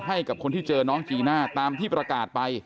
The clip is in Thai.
ให้กับคนที่เจอน้องจีน่าตามที่ประกาศไป